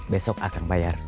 besok akan bayar